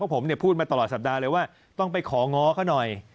ผมพูดมาตลอดสัปดาห์เลยว่าต้องไปของง้อเขาหน่อย